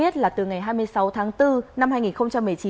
từ ngày hai mươi sáu tháng bốn năm hai nghìn một mươi chín